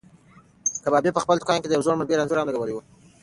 کبابي په خپل دوکان کې د یو زوړ ملګري انځور هم لګولی و.